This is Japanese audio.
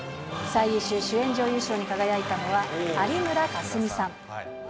最優秀主演女優賞に輝いたのは、有村架純さん。